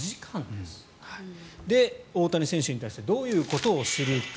で、大谷選手に対してどういうことをするか。